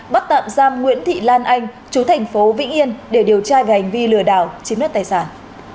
bắt tạm giam nguyễn thị lan anh chú thành phố vĩnh yên để điều tra về hành vi lừa đảo chiếm đất tài sản